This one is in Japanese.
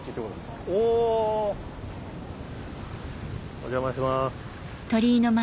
お邪魔します。